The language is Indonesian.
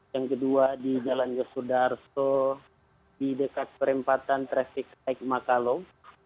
yang kedua di jalan yosudarto di dekat perempatan trafik naik makalow